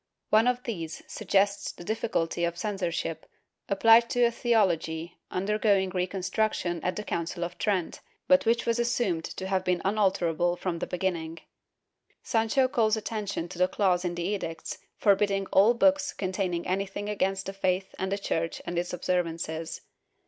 One of these suggests the difficulty of cen sorship applied to a theology undergoing reconstruction at the Council of Trent, but which was assumed to have been unalter able from the beginning. Sancho calls attention to the clause in the edicts forbidding all books containing any thing against the faith and the Church and its observances.